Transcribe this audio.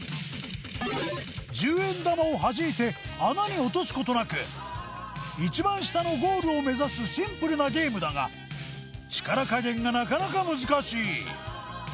１０円玉を弾いて穴に落とす事なく一番下のゴールを目指すシンプルなゲームだが力加減がなかなか難しい